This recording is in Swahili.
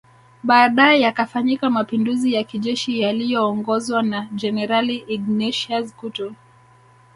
Baadae yakafanyika Mapinduzi ya kijeshi yaliyoongozwa na Jenerali Ignatius Kutu